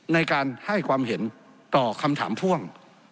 ในการให้ความเห็นต่อคำถามพ่วง